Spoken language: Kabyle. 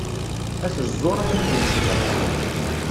At ẓẓur ad ten-id-necdeɣ.